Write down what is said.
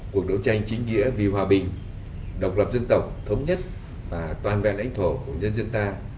cuộc đấu tranh chính nghĩa vì hòa bình độc lập dân tộc thống nhất và toàn vẹn lãnh thổ của nhân dân ta